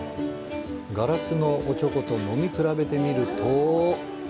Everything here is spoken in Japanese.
ガラスのおちょこと飲み比べてみると。